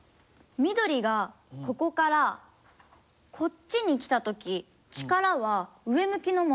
緑がここからこっちに来た時力は上向きのままじゃないですか？